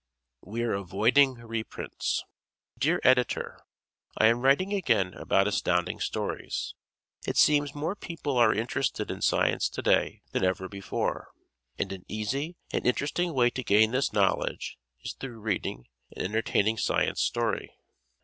We're Avoiding Reprints Dear Editor: I am writing again about Astounding Stories. It seems more people are interested in science to day than ever before, and an easy and interesting way to gain this knowledge is through reading an entertaining science story.